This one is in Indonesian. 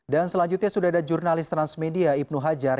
dan selanjutnya sudah ada jurnalis transmedia ibnu hajar